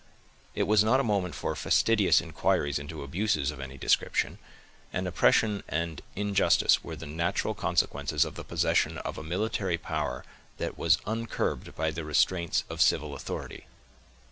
It was not a moment for fastidious inquiries into abuses of any description, and oppression and injustice were the natural consequences of the possession of a military power that was uncurbed by the restraints of civil authority.